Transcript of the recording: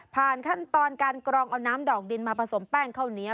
ขั้นตอนการกรองเอาน้ำดอกดินมาผสมแป้งข้าวเหนียว